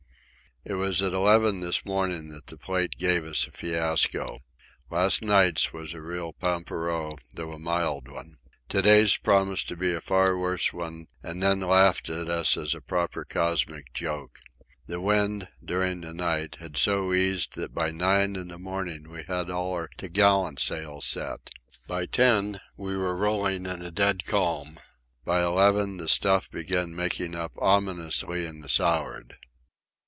It was at eleven this morning that the Plate gave us a fiasco. Last night's was a real pampero—though a mild one. To day's promised to be a far worse one, and then laughed at us as a proper cosmic joke. The wind, during the night, had so eased that by nine in the morning we had all our topgallant sails set. By ten we were rolling in a dead calm. By eleven the stuff began making up ominously in the south'ard.